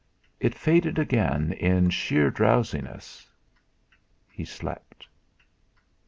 It faded again in sheer drowsiness; he slept....